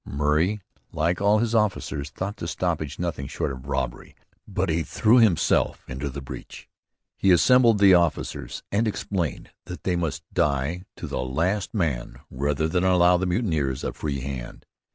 Murray, like all his officers, thought the stoppage nothing short of robbery. But he threw himself into the breach. He assembled the officers and explained that they must die to the last man rather than allow the mutineers a free hand.